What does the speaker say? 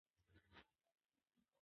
د پښتو جملې باید په سم ډول ولیکل شي.